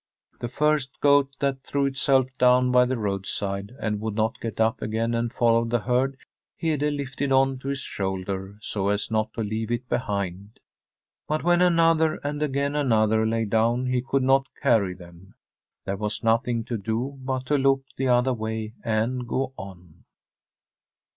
The first goat that threw itself down by the roadside and would not get up again and follow the herd Hede lifted on to his shoulder so as not to leave it behind. But when another and again another lay down he could not carry them. There was nothing to do but to look the other way and go on.